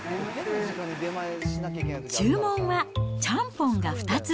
注文はちゃんぽんが２つ。